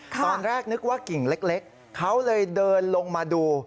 ตอนแรกนึกว่ากิ่งเล็กเขาเลยเดินลงมาดู